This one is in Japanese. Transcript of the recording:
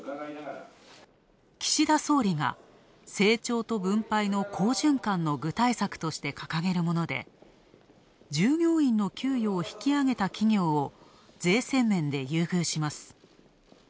岸田総理が、成長と分配の好循環の具体策として掲げるもので、従業員の給与を引き上げた企業を税制面で優遇します。